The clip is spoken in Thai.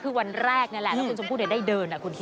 คือวันแรกนี่แหละแล้วคุณชมพู่ได้เดินคุณคิด